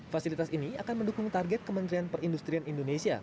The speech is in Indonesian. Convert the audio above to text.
fasilitas ini akan mendukung target kementerian perindustrian indonesia